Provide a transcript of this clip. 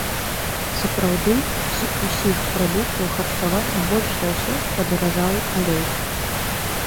Сапраўды, з усіх прадуктаў харчавання больш за ўсё падаражаў алей!